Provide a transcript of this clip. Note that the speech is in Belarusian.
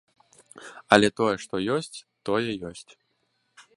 Але тое, што ёсць, тое ёсць.